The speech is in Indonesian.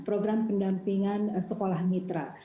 program pendampingan sekolah mitra